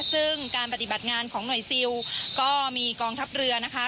ซึ่งการปฏิบัติงานของหน่วยซิลก็มีกองทัพเรือนะคะ